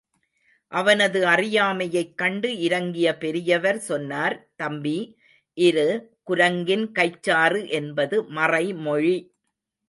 அவனது அறியாமையைக் கண்டு இரங்கிய பெரியவர் சொன்னார்— தம்பி, இரு குரங்கின் கைச்சாறு என்பது மறைமொழி.